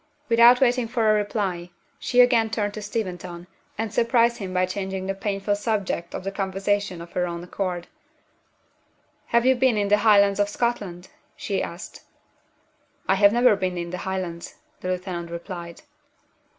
Without waiting for a reply, she again turned to Steventon, and surprised him by changing the painful subject of the conversation of her own accord. "Have you been in the Highlands of Scotland?" she asked. "I have never been in the Highlands," the lieutenant replied.